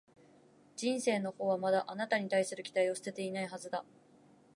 人生のほうはまだ、あなたに対する期待を捨てていないはずだ